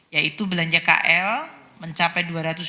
yaitu belanja kl mencapai dua ratus dua puluh dua